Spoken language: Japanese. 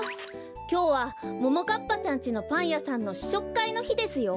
きょうはももかっぱちゃんちのパンやさんのししょくかいのひですよ。